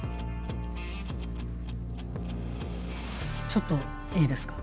ちょっといいですか？